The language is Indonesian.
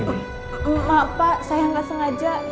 maaf pak saya nggak sengaja